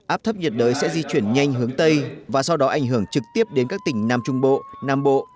áp thấp nhiệt đới sẽ di chuyển nhanh hướng tây và sau đó ảnh hưởng trực tiếp đến các tỉnh nam trung bộ nam bộ